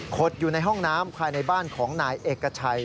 อยู่ในห้องน้ำภายในบ้านของนายเอกชัย